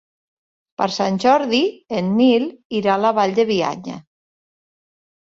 Per Sant Jordi en Nil irà a la Vall de Bianya.